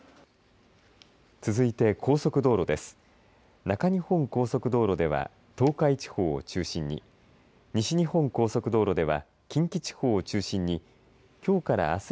続いて高速道路です。